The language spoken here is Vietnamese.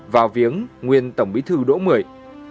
vào viếng nguyên tổng bí thư đỗ mười